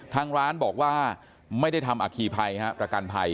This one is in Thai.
ทางร้านบอกว่าไม่ได้ทำอัคคีภัยประกันภัย